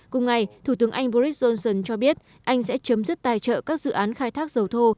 cùng ngày thủ tướng anh boris johnson cho biết anh sẽ chấm dứt tài trợ các dự án khai thác dầu thô